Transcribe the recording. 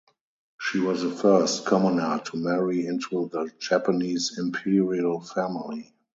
She was the first commoner to marry into the Japanese Imperial Family.